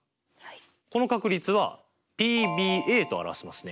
この確率はＰと表せますね。